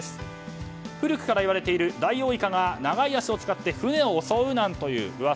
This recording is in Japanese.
古くからいわれているダイオウイカが長い足を使って船を襲うなんていう噂